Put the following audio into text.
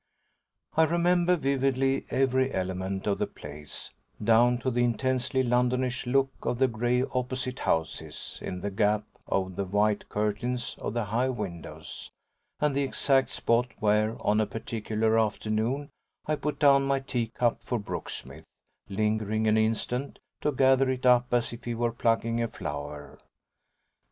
I remember vividly every element of the place, down to the intensely Londonish look of the grey opposite houses, in the gap of the white curtains of the high windows, and the exact spot where, on a particular afternoon, I put down my tea cup for Brooksmith, lingering an instant, to gather it up as if he were plucking a flower.